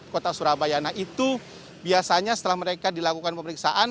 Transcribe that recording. kota surabaya nah itu biasanya setelah mereka dilakukan pemeriksaan